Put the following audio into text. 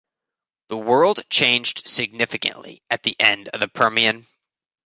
The world changed significantly at the end of the Permian.